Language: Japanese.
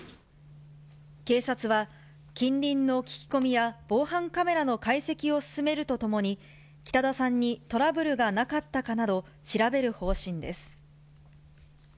警察は、近隣の聞き込みや防犯カメラの解析を進めるとともに、北田さんにトラブルがなかったかなど、調べる方針です。